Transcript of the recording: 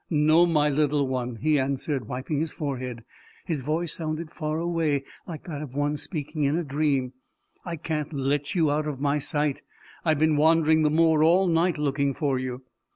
"No, my little one," he answered, wiping his forehead: his voice sounded far away, like that of one speaking in a dream; "I can't let you out of my sight. I've been wandering the moor all night looking for you!"